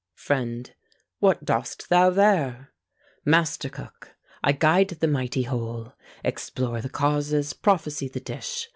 FRIEND. What dost thou there? MASTER COOK. I guide the mighty whole; Explore the causes, prophesy the dish.